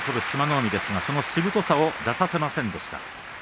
海ですが、そのしぶとさを出させませんでした。